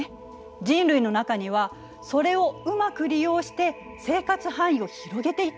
人類の中にはそれをうまく利用して生活範囲を広げていったものもいるの。